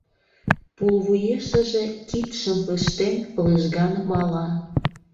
Пулвуешыже кидшым пыштен лыжган мала.